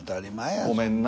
「ごめんな」